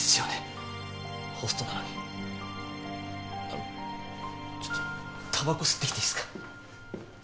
あのちょっとたばこ吸ってきていいっすか？